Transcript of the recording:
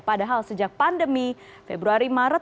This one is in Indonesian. padahal sejak pandemi februari maret